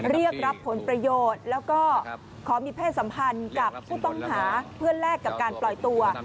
เรียกรับผลประโยชน์แล้วก็ขอมีเพศสัมพันธ์กับผู้ต้องหาเพื่อแลกกับการปล่อยตัว